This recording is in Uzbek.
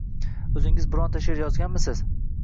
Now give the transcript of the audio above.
O’zingiz bironta she’r yozganmisiz?